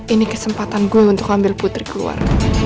ini kesempatan gue untuk ambil putri keluar